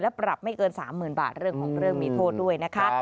ปรับไม่เกิน๓๐๐๐บาทเรื่องของเรื่องมีโทษด้วยนะคะ